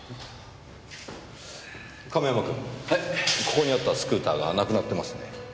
ここにあったスクーターがなくなってますね。